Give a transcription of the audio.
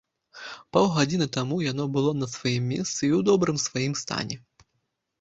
Паўгадзіны таму яно было на сваім месцы і ў добрым сваім стане.